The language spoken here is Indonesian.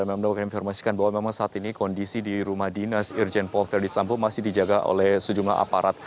memang dapat diinformasikan bahwa memang saat ini kondisi di rumah dinas irjen polver di sampo masih dijaga oleh sejumlah aparat